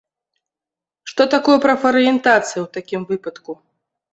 Што такое прафарыентацыя ў такім выпадку?